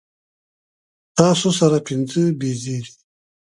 تاسو سره پنځۀ بيزې دي